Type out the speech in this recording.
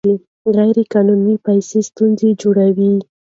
غیر قانوني پیسې ستونزې جوړوي.